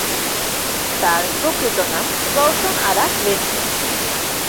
তার প্রকৃত নাম রওশন আরা রেণু।